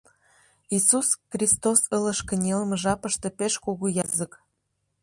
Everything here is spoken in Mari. Исус Кристос ылыж кынелме жапыште пеш кугу язык...